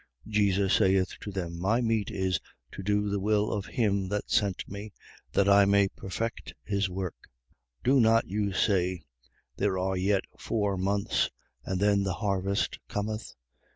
4:34. Jesus saith to them: My meat is to do the will of him that sent me, that I may perfect his work. 4:35. Do not you say: There are yet four months, and then the harvest cometh?